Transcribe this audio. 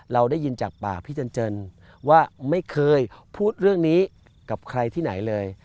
เราได้ยินจากปากพี่เจินว่าไม่เคยพูดเรื่องนี้กับใครที่ไหนเลย